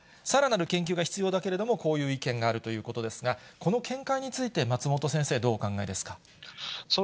さらなる研究が必要だけれども、こういう意見があるということですが、この見解について松本先生、どうお考えですか？